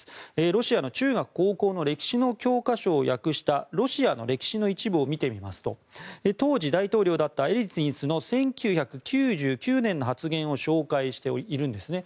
ロシアの中学・高校の歴史の教科書を訳した「ロシアの歴史」の一部を見てみますと当時、大統領だったエリツィン氏の１９９９年の発言を紹介しているんですね。